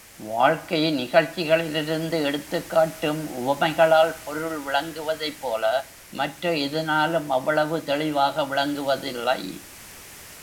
வாழ்க்கை நிகழ்ச்சிகளிலிருந்து எடுத்துக் காட்டும் உவமைகளால் பொருள் விளங்குவதைப் போல, மற்ற எதனாலும் அவ்வளவு தெளிவாக விளங்குவதிலை.